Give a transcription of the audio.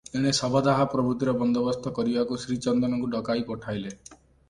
ଏଣେ ଶବଦାହ ପ୍ରଭୃତିର ବନ୍ଦୋବସ୍ତ କରିବାକୁ ଶ୍ରୀ ଚନ୍ଦନଙ୍କୁ ଡକାଇ ପଠାଇଲେ ।